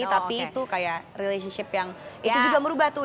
tapi itu kayak relationship yang itu juga merubah tuh